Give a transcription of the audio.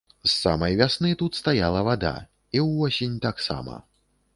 З самай вясны тут стаяла вада, і ўвосень таксама.